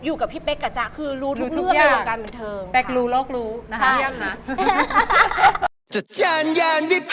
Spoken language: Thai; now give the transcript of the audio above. อยู่กับพี่เป๊กครับจ้า